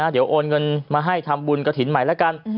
เดี๋ยวโอนเงินมาให้ทำบุญกระถิ่นใหม่แล้วกัน